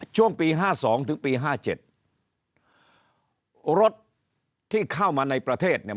ช่วงปี๕๒ถึงปี๕๗รถที่เข้ามาในประเทศเนี่ย